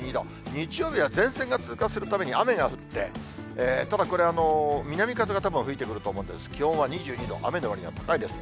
日曜日は前線が通過するために雨が降って、ただこれ、南風がたぶん吹いてくると思うんで、気温は２２度、雨の割合が高いです。